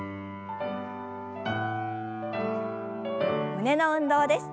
胸の運動です。